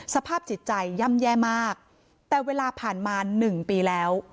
สภาพจิตใจย่ำแย่มากแต่เวลาผ่านมา๑ปีแล้ว